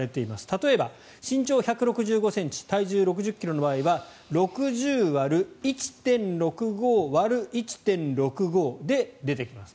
例えば身長１６５ｃｍ体重６０ｋｇの場合は６０割る１．６５割る１．６５で出てきます。